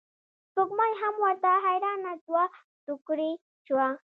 سپوږمۍ هم ورته حیرانه دوه توکړې شوه.